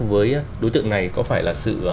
với đối tượng này có phải là sự